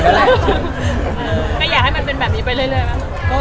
ก็อยากให้มันเป็นแบบนี้ไปเรื่อยมั้ง